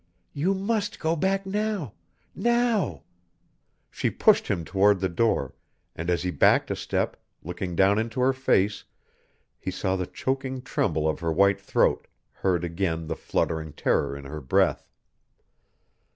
"You must go back now now " She pushed him toward the door, and as he backed a step, looking down into her face, he saw the choking tremble of her white throat, heard again the fluttering terror in her breath.